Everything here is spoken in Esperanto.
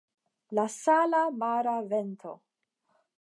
La sala mara vento!